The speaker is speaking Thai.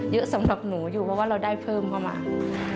สำหรับหนูอยู่เพราะว่าเราได้เพิ่มเข้ามา